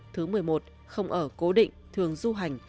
thứ mười một không ở cố định thường du hành